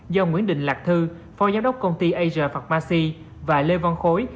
do nguyễn định lạc thư phó giám đốc công ty asia pharmacy và lê văn khối